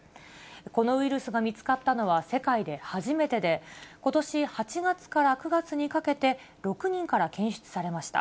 このウイルスが見つかったのは世界で初めてで、ことし８月から９月にかけて、６人から検出されました。